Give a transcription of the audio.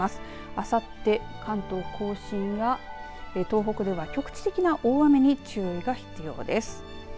あさって、関東甲信や東北では局地的な大雨に注意が必要です。